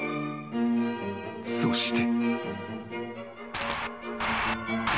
［そして］